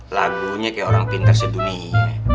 lagunya kayak orang pintar sedunia